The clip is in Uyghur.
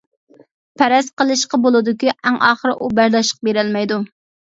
پەرەز قىلىشقا بولىدۇكى، ئەڭ ئاخىرى ئۇ بەرداشلىق بېرەلمەيدۇ.